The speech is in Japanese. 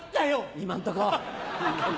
今んとこ。